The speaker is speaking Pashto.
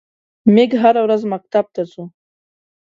میږ هره ورځ مکتب ته څو.